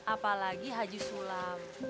apalagi haji sulam